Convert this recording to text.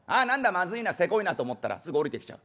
まずいなせこいなと思ったらすぐ下りてきちゃう」。